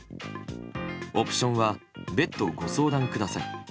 オプションは別途ご相談ください。